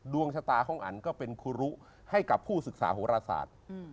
ดวงชะตาของอันก็เป็นครูรุให้กับผู้ศึกษาโหรศาสตร์